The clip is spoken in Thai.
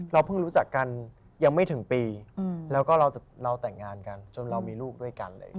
เพิ่งรู้จักกันยังไม่ถึงปีแล้วก็เราแต่งงานกันจนเรามีลูกด้วยกันเลย